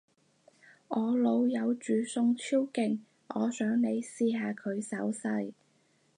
我老友煮餸超勁，我想你試下佢手勢